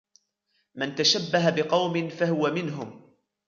مَنْ تَشَبَّهَ بِقَوْمٍ فَهُوَ مِنْهُمْ